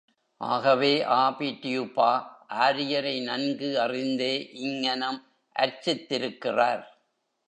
ஆகவே ஆபி டியூபா, ஆரியரை நன்கு அறிந்தே இங்ஙனம் அர்ச்சித்திருக்கிறார்.